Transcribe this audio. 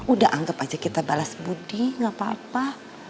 udah anggap aja kita balas budi gak apa apa